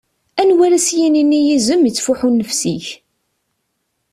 Anwa ara as-yinin i yizem: "Ittfuḥu nnefs-ik"?